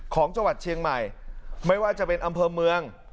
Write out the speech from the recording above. ของจังหวัดเชียงใหม่ไม่ว่าจะเป็นอำเภอเมือง